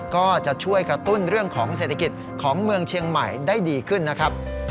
ก็จะช่วยกระตุ้นเรื่องของเศรษฐกิจของเมืองเชียงใหม่ได้ดีขึ้นนะครับ